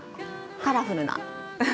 カラフルな。